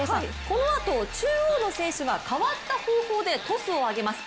このあと中央の選手が変わった方法でトスを上げます。